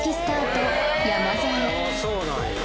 ・そうなんや。